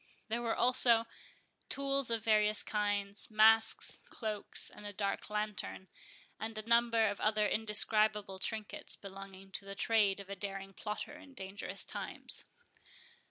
There were also tools of various kinds, masks, cloaks, and a dark lantern, and a number of other indescribable trinkets belonging to the trade of a daring plotter in dangerous times.